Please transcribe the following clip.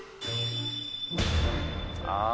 ああ。